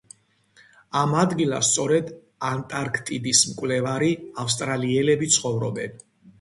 ამ ადგილას სწორედ ანტარქტიდის მკვლევარი ავსტრალიელები ცხოვრობენ.